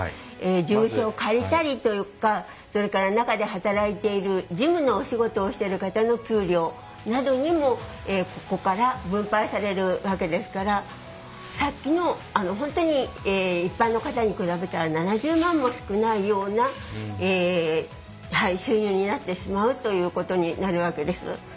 事務所を借りたりとかそれから中で働いている事務のお仕事をしている方の給料などにもここから分配されるわけですからさっきの本当に一般の方に比べたら７０万も少ないような収入になってしまうということになるわけです。